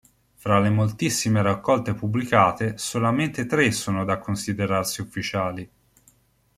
Fra le moltissime raccolte pubblicate, solamente tre sono da considerarsi ufficiali.